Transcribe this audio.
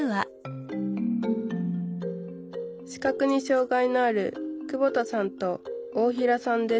視覚に障害のある久保田さんと大平さんです